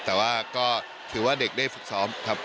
แต่ว่าก็ถือว่าเด็กได้ฝึกซ้อมครับ